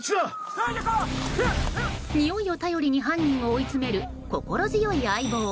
においを頼りに犯人を追い詰める心強い相棒。